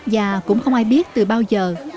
và cũng không ai biết từ bao giờ